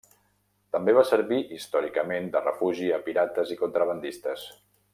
També va servir històricament de refugi a pirates i contrabandistes.